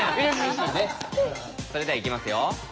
それではいきますよ。